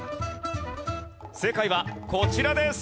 正解はこちらです！